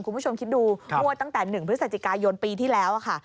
คุณผู้ชมคิดดูงวดตั้งแต่๑พฤศจิกายนปีที่แล้วค่ะ